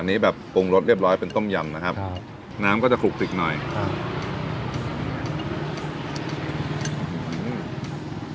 อันนี้แบบปรุงรสเรียบร้อยเป็นต้มยำนะครับครับน้ำก็จะคลุกคลิกหน่อยครับ